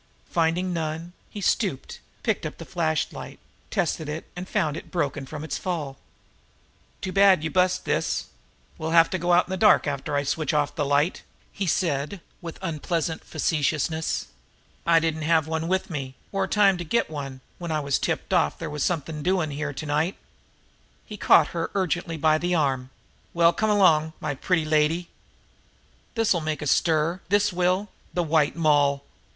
Finding none, he stooped, picked up the flashlight, tested it, and found it broken from its fall. "Too bad you bust this, we'll have to go out in the dark after I switch off the light," he said with unpleasant facetiousness. "I didn't have one with me, or time to get one, when I got tipped off there was something doing here to night." He caught her ungently by the arm. "Well, come along, my pretty lady! This'll make a stir, this will! The White Moll!"